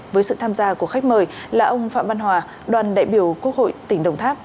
với sự tham gia của khách mời là ông phạm văn hòa đoàn đại biểu quốc hội tỉnh đồng tháp